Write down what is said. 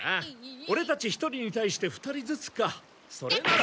オレたち１人に対して２人ずつか。それなら。